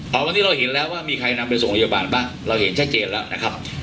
เอาวันนี้เราเห็นแล้วว่ามีใครนำไปส่งโรงพยาบาลบ้างเราเห็นชัดเจนแล้วนะครับ